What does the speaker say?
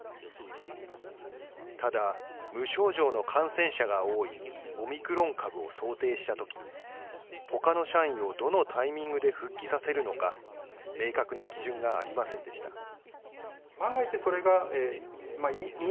ただ、無症状の感染者が多いオミクロン株を想定したときに、ほかの社員をどのタイミングで復帰させるのか、明確な基準がありませんでした。